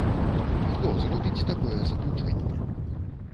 Хто зробіць такое заключэнне?